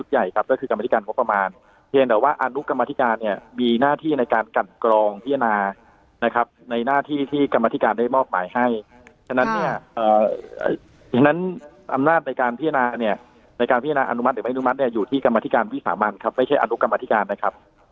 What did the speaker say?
หรือไม่นุมัติอยู่ที่กรรมธิการวิสามันครับไม่ใช่อนุกรรมธิการนะครับ